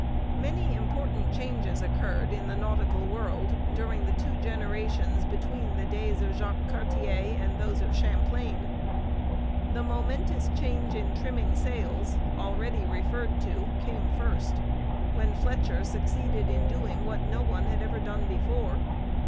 Many important changes occurred in the nautical world during the two generations between the days of Jacques Cartier and those of Champlain. The momentous change in trimming sails, already referred to, came first, when Fletcher succeeded in doing what no one had ever done before.